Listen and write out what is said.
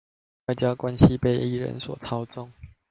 外交關係被一個人所操縱